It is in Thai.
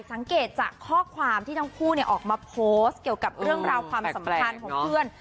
จากข้อความที่ทั้งคู่ออกมาโพสต์เกี่ยวกับเรื่องราวความสัมพันธ์ของเพื่อน